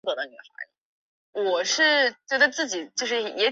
该陨坑附近的月海表面上分布有一些低矮的皱岭。